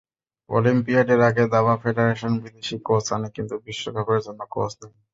অলিম্পিয়াডের আগে দাবা ফেডারেশন বিদেশি কোচ আনে, কিন্তু বিশ্বকাপের জন্য কোচ নেই।